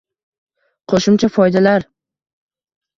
Qo‘shimcha foydalar